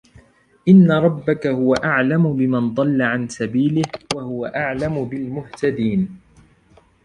إن ربك هو أعلم بمن ضل عن سبيله وهو أعلم بالمهتدين